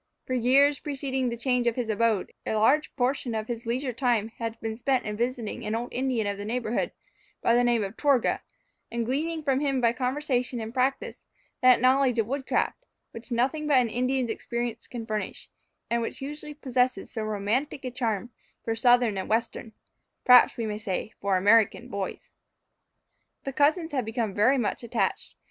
For years preceding the change of his abode, a large portion of his leisure time had been spent in visiting an old Indian of the neighbourhood, by the name of Torgah, and gleaning from him by conversation and practice, that knowledge of wood craft, which nothing but an Indian's experience can furnish, and which usually possesses so romantic a charm for Southern and Western (perhaps we may say for American) boys. The cousins had become very much attached.